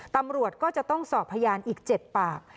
ตำรวจก็จะต้องสอบพยานอีก๗ปาก